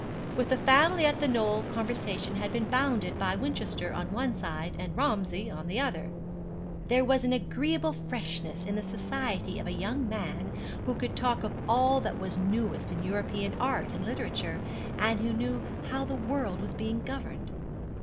With the family at The Knoll conversation had been bounded by Winchester on one side, and Romsey on the other. There was an agreeable freshness in the society of a young man who could talk of all that was newest in European art and literature, and who knew how the world was being governed.